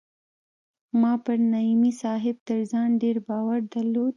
ما پر نعماني صاحب تر ځان ډېر باور درلود.